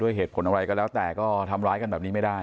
เหตุผลอะไรก็แล้วแต่ก็ทำร้ายกันแบบนี้ไม่ได้